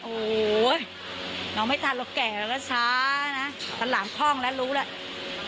โอ้โหเห้ยเราไม่ทันเราแก่เราก็ช้านะมันหลามคล่องแล้วรู้แล้ว